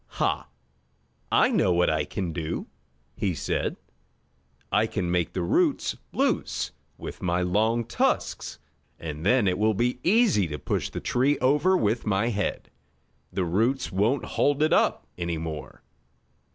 "Ha! I know what I can do!" he said. "I can make the roots loose with my long tusks, and then it will be easy to push the tree over with my head. The roots won't hold it up any more!"